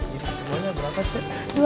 semuanya berapa cik